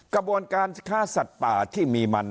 กระบวนการค้าสัตว์ป่าที่มีมัน